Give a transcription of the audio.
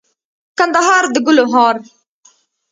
کندهار دګلو هار